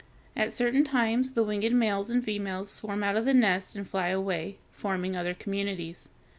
At certain times the winged males and females swarm out of the nest and fly away, forming other communities.